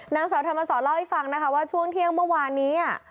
นางสาวธรรมสรเล่าให้ฟังนะคะว่าช่วงเที่ยงเมื่อวานนี้